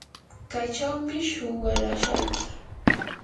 kaychawmi shuwarashayki.